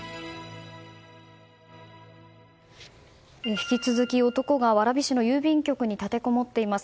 引き続き、男が蕨市の郵便局に立てこもっています。